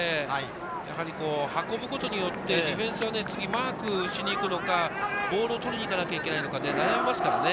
やはり運ぶことによってディフェンスは次、マークしに行くのか、ボールを取りに行かなきゃいけないのか、悩みますからね。